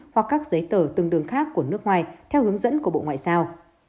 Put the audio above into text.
hoặc các giấy tờ tương đương khác của nước ngoài theo hướng dẫn của bộ ngoại giao